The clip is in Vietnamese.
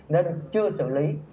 nên chưa xử lý